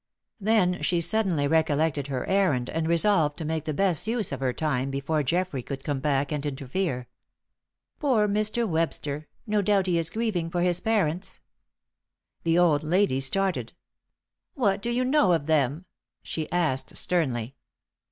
Then she suddenly recollected her errand and resolved to make the best use of her time before Geoffrey could come back and interfere. "Poor Mr. Webster! No doubt he is grieving for his parents." The old lady started. "What do you know of them?" she asked, sternly.